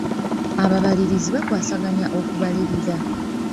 Ababalirizi bakwasaganya okubalirira.